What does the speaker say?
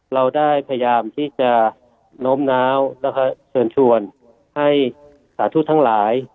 เราได้พยายามที่จะโน้มน้าวแล้วก็เชิญชวนให้สาธุทั้งหลาย